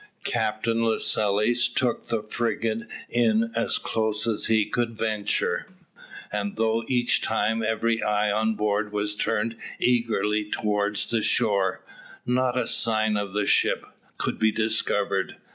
Captain Lascelles took the frigate in as close as he could venture, and though each time every eye on board was turned eagerly towards the shore, not a sign of a ship could be discovered.